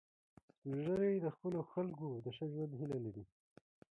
سپین ږیری د خپلو خلکو د ښه ژوند هیله لري